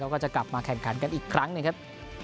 แล้วก็จะกลับมาแข่งขันกันอีกครั้งหนึ่งครับ